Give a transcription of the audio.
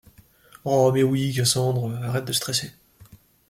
Rho mais oui, Cassandre, arrête de stresser !